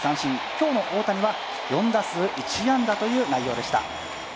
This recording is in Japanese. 今日の大谷は、４打数１安打という内容でした。